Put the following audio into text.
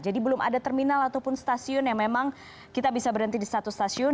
jadi belum ada terminal ataupun stasiun yang memang kita bisa berhenti di satu stasiun